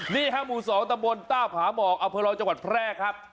นี่ฮะหมู่๒ตะบนต้าผาหมอกอำเภอรองจังหวัดแพร่ครับ